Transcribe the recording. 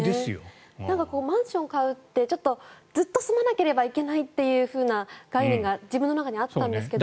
なんか、マンション買うってずっと住まなければいけないっていうふうな概念が自分の中にあったんですが。